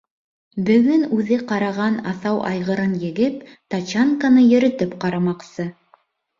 Бөгөн үҙе ҡараған аҫау айғырын егеп, тачанканы йөрөтөп ҡарамаҡсы.